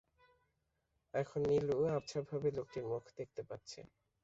এখন নীলু আবছাভাবে লোকটির মুখ দেখতে পাচ্ছে।